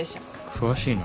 詳しいな。